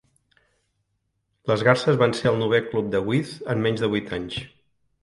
Les Garses van ser el novè club de Withe en menys de vuit anys.